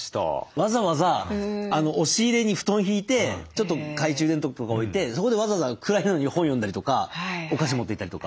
わざわざ押し入れに布団敷いてちょっと懐中電灯とか置いてそこでわざわざ暗いのに本読んだりとかお菓子持っていったりとか。